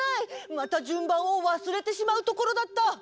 またじゅんばんをわすれてしまうところだった！